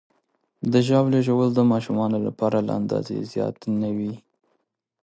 د ژاولې ژوول د ماشومانو لپاره له اندازې زیات نه وي.